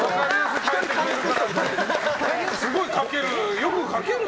すごい書ける。